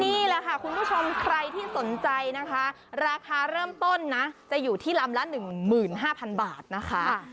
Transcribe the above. นี่แหละค่ะคุณผู้ชมใครที่สนใจนะคะราคาเริ่มต้นนะจะอยู่ที่ลำละ๑๕๐๐๐บาทนะคะ